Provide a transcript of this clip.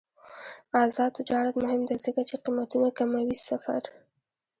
آزاد تجارت مهم دی ځکه چې قیمتونه کموي سفر.